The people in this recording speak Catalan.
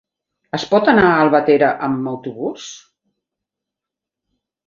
Es pot anar a Albatera amb autobús?